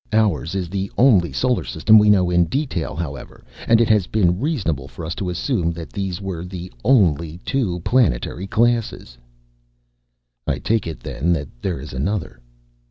Ours is the only solar system we know in detail, however, and it has been reasonable for us to assume that these were the only two planetary classes." "I take it then that there is another."